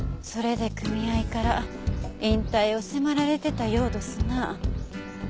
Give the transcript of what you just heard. それで組合から引退を迫られてたようどすなあ。